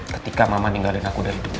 ketika mama ninggalin aku dari dulu